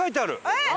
えっ！